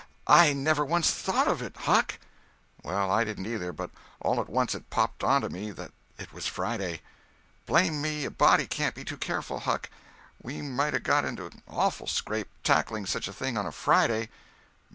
I never once thought of it, Huck!" "Well, I didn't neither, but all at once it popped onto me that it was Friday." "Blame it, a body can't be too careful, Huck. We might 'a' got into an awful scrape, tackling such a thing on a Friday."